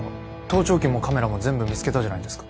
盗聴器もカメラも全部見つけたじゃないですか。